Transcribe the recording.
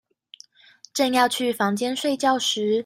正要去房間睡覺時